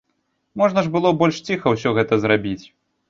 Можна ж было больш ціха ўсё гэта зрабіць.